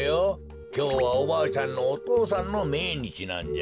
きょうはおばあちゃんのお父さんのめいにちなんじゃ。